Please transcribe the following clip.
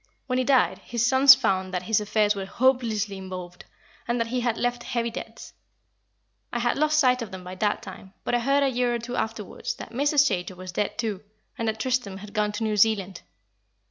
When he died, his sons found that his affairs were hopelessly involved, and that he had left heavy debts. I had lost sight of them by that time; but I heard a year or two afterwards that Mrs. Chaytor was dead, too, and that Tristram had gone to New Zealand.